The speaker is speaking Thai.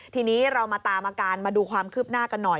ทีนี้เรามาตามอาการมาดูความคืบหน้ากันหน่อย